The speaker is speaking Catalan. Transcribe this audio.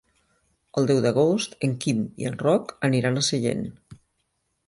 El deu d'agost en Quim i en Roc aniran a Sellent.